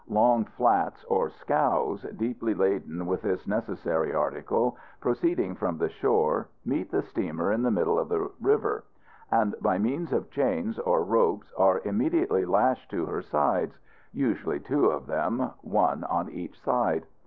Long flats or scows, deeply laden with this necessary article, proceeding from the shore meet the steamer in the middle of the river, and by means of chains or ropes are immediately lashed to her sides usually two of them one on each side.